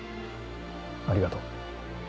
ありがとう。